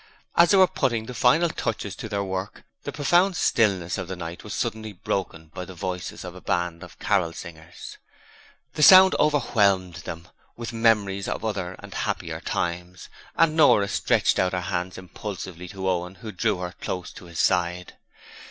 As they were putting the final touches to their work the profound stillness of the night was suddenly broken by the voices of a band of carol singers. The sound overwhelmed them with memories of other and happier times, and Nora stretched out her hands impulsively to Owen, who drew her close to his side.